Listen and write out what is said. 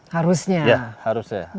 harusnya ya harusnya